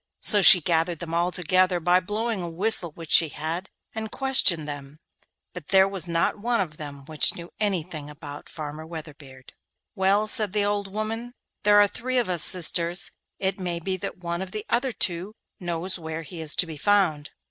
So she gathered them all together by blowing a whistle which she had, and questioned them, but there was not one of them which knew anything about Farmer Weatherbeard. 'Well,' said the old woman, 'there are three of us sisters; it may be that one of the other two knows where he is to be found.